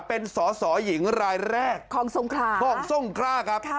เป็นสอสอยิงรายแรกของสงขลาครับ